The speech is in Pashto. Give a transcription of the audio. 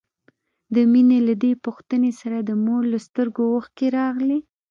د مينې له دې پوښتنې سره د مور له سترګو اوښکې راغلې.